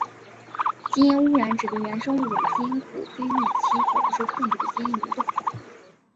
基因污染指对原生物种基因库非预期或不受控制的基因流动。